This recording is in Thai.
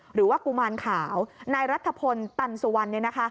หรือว่ากุมารขาวนายรัฐพลตันสุวรรณ